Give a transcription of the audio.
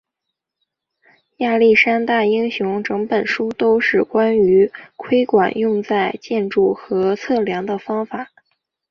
亚历山大英雄整本书都是关于窥管用在建筑和测量的方法。